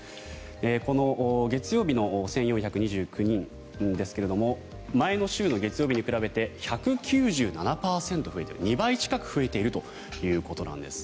この月曜日の１４２９人ですが前の週の月曜日に比べて１９７％増えていると２倍近く増えているということですね。